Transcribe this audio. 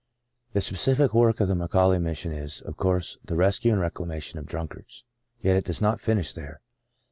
THE specific work of the McAuIey Mission is, of course, the rescue and reclamation of drunkards. Yet it does not finish there.